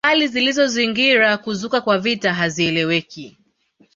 Hali zilizozingira kuzuka kwa vita hazieleweki